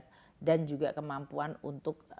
dan juga kemampuan untuk